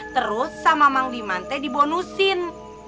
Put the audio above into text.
terus sama mang liman teh dibonusin